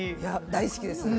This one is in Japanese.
大好きです。